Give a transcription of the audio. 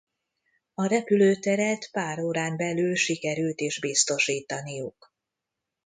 A repülőteret pár órán belül sikerült is biztosítaniuk.